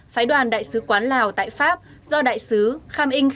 phái đoàn đại sứ quán lào tại pháp do đại sứ kham in